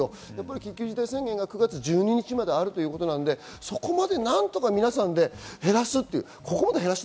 緊急事態宣言は９月１２日まであるということなので、そこまで何とか皆さん減らす。